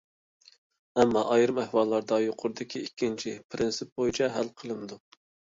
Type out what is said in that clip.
ئەمما، ئايرىم ئەھۋاللاردا يۇقىرىدىكى ئىككىنچى پىرىنسىپ بويىچە ھەل قىلىنىدۇ.